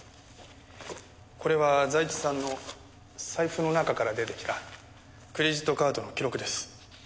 これは財津さんの財布の中から出てきたクレジットカードの記録です。